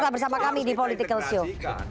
kita bersama kami di politikal show